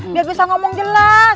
biar dia bisa berbicara dengan jelas